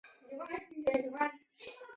位于句容市下蜀镇亭子村。